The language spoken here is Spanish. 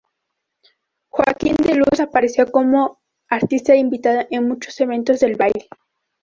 Joaquín de Luz apareció como artista Invitado en muchos eventos de baile.